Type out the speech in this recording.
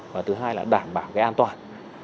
và thứ hai là đảm bảo an toàn